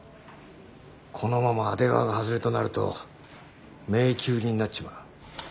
このまま阿出川が外れとなると迷宮入りになっちまう。